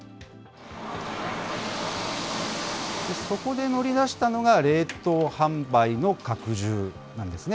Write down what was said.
そこで乗り出したのが、冷凍販売の拡充なんですね。